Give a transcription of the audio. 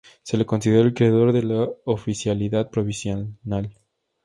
Se le considera el creador de la oficialidad provisional.